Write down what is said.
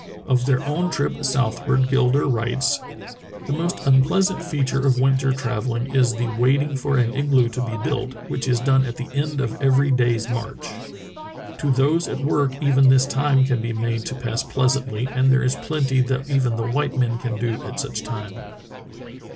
Of their own trip southward Gilder writes: "The most unpleasant feature of winter travelling is the wait ing for an igloo to be built, which is done at the end of every day's march. To those at work even this time can be made to pass pleasantl}', and there is plenty that 324 True Tales of Arctic Heroism even the white men can do at such time.